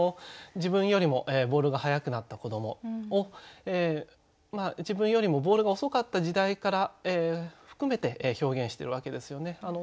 自分よりもボールが速くなった子どもを自分よりもボールが遅かった時代から含めて表現してるわけですよね。